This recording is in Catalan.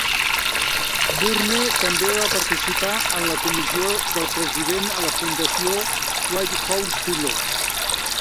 Bourne també va participar en la comissió del president a la fundació White House Fellows.